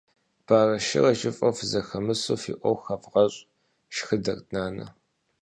Барэ-шырэ жыфӏэу фызэхэмысу фи ӏуэху хэвгъэщӏ, - шхыдэрт нанэ.